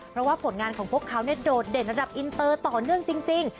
เพราะว่าผลงานของพวกเขาโดดเด่นระดับอินเตอร์ต่อเนื่องจริง